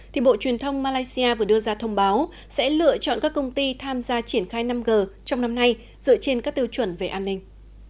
thì bộ truyền thông malaysia vừa đưa ra thông báo sẽ lựa chọn các công ty tham gia triển khai năm g trong năm nay dựa trên các tiêu chuẩn về an ninh